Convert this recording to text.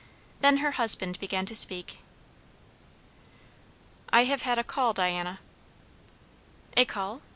Then her husband began to speak. "I have had a call, Diana." "A call?